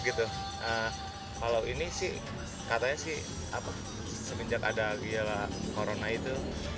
kalau ini sih katanya semenjak ada corona itu